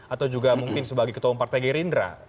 atau juga mungkin sebagai ketua partai gerindra